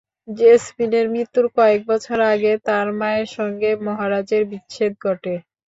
জেসমিনের মৃত্যুর কয়েক বছর আগে তাঁর মায়ের সঙ্গে মহারাজের বিচ্ছেদ ঘটে।